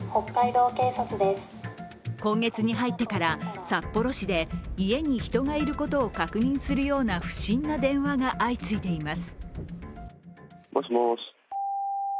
今月に入ってから札幌市で家に人がいることを確認するような不審な電話が相次いでいます。